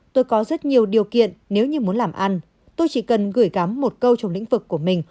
tôi có rất nhiều điều kiện nếu như muốn làm ăn tôi chỉ cần gửi gắm một câu trong lĩnh vực của mình